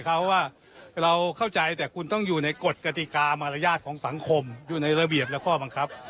เพราะว่าเราเข้าใจแต่คุณต้องอยู่ในกฎกติกามารยาทของสังคมอยู่ในระเบียบและข้อบังคับ